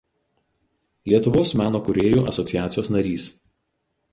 Lietuvos meno kūrėjų asociacijos narys.